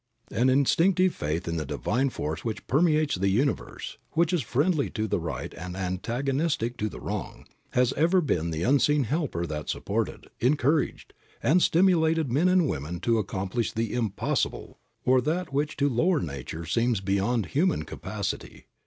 An instinctive faith in the Divine Force which permeates the universe, which is friendly to the right and antagonistic to the wrong, has ever been the unseen helper that supported, encouraged, and stimulated men and women to accomplish the "impossible," or that which to lower natures seems beyond human capacity.